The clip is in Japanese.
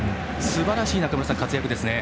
すばらしい活躍ですね。